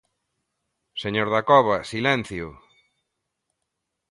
Señor Dacova, ¡silencio!